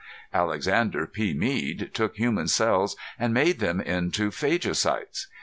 Alexander P. Mead took human cells and made them into phagocytes.